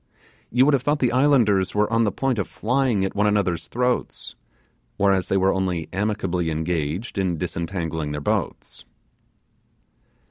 You would have thought the islanders were on the point of flying at each other's throats, whereas they were only amicably engaged in disentangling their boats.